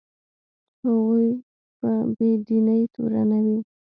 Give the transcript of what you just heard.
هغوی په بې دینۍ تورنوي.